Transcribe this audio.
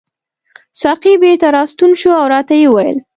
ساقي بیرته راستون شو او راته یې وویل.